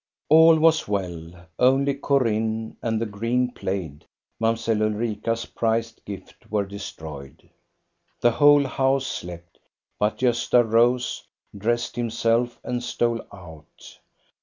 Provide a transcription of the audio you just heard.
All was well. Only "Corinne" and the green plaid, Mamselle Ulrika's prized gift, were destroyed. The whole house slept. But Gosta rose, dressed himself, and stole out.